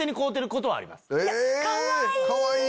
かわいい！